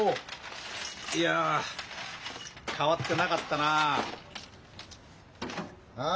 いや変わってなかったなあ。